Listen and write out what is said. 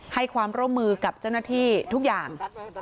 ให้ความร่วมมือกับเจ้าหน้าที่ทุกอย่าง